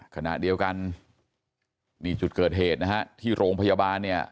ขณะเดียวกันนี่จุดเกิดเหตุนะฮะที่โรงพยาบาลเนี่ย